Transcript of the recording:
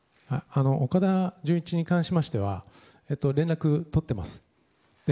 岡田准一に関しましては連絡とってます。